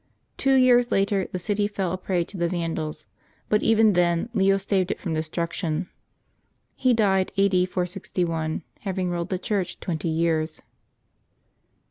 Two years later the city fell a prey to the Vandals; but even then Leo saved it from destruction. He died A. D. 461, having ruled the Church twenty years.